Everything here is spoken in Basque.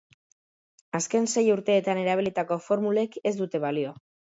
Azken sei urteetan erabilitako formulek ez dute balio.